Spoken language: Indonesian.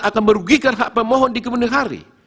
akan merugikan hak pemohon di kemudian hari